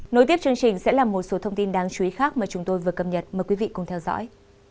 nối tiếp chương trình sẽ là một số thông tin đáng chú ý khác mà chúng tôi vừa cập nhật mời quý vị cùng theo dõi